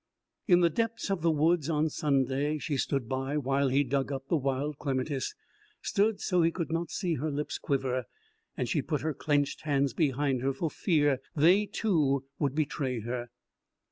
In the depths of the woods, on Sunday, she stood by while he dug up the wild clematis stood so he could not see her lips quiver and she put her clenched hands behind her for fear they, too, would betray her.